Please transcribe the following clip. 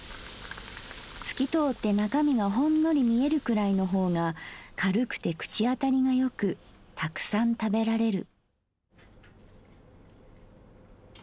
透きとおって中味がホンノリ見えるくらいの方が軽くて口あたりがよくたくさん食べられる」。